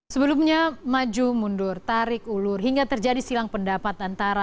sebelumnya maju mundur tarik ulur hingga terjadi silang pendapat antara